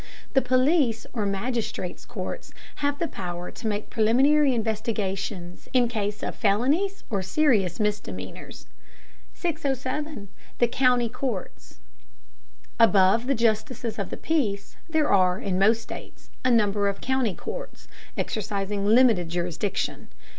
The police or magistrates' courts have the power to make preliminary investigations in case of felonies or serious misdemeanors. 607. THE COUNTY COURTS. Above the justices of the peace there are, in most states, a number of county courts, exercising limited jurisdiction.